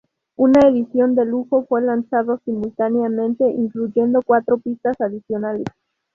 Una edición de lujo fue lanzado simultáneamente, incluyendo cuatros pistas adicionales.